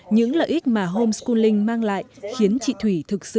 những lợi ích mà homeschooling mang lại khiến con gái không thể tìm được giáo dục